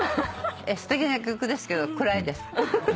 すてきな曲ですけど暗いです。